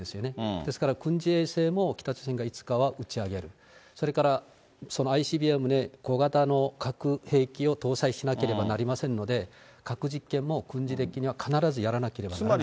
ですから、軍事衛星も北朝鮮がいつかは打ち上げる、それからそのＩＣＢＭへ小型の核兵器を搭載しなければなりませんので、核実験も軍事的には必ずやらなければならない。